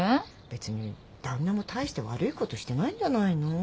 別に旦那も大して悪いことしてないんじゃないの？